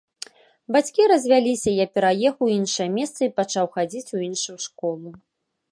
Бацькі развяліся, я пераехаў у іншае месца і пачаў хадзіць у іншую школу.